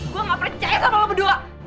gue gak percaya sama aku berdua